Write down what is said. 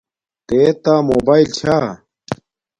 تے تا موباݵل چھا